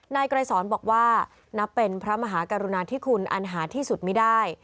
นายไกรสอนบอกว่านับเป็นพระมหากรุณาธิคุณอันหาที่สุดไม่ได้